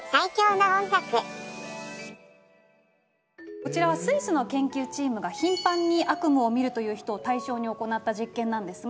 こちらはスイスの研究チームが頻繁に悪夢を見るという人を対象に行った実験なんですが。